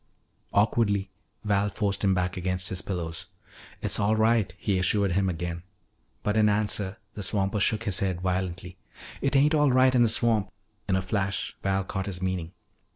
Awkwardly Val forced him back against his pillows. "It's all right," he assured him again. But in answer the swamper shook his head violently, "It ain't all right in the swamp." In a flash Val caught his meaning.